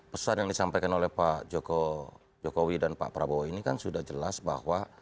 pesan yang disampaikan oleh pak jokowi dan pak prabowo ini kan sudah jelas bahwa